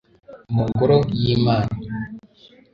mu ngoro y'imana